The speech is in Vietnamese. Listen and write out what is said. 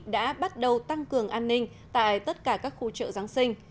đã bắt đầu tăng cường an ninh tại tất cả các khu chợ giáng sinh